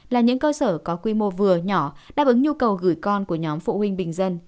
là những cơ sở có quy mô vừa nhỏ đáp ứng nhu cầu gửi con của nhóm phụ huynh bình dân